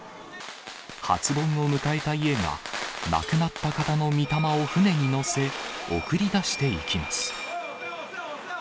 初盆を迎えた家が、亡くなった方のみ霊を船に乗せ、送り出していきます。